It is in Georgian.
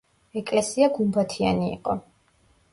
ეკლესია გუმბათიანი იყო.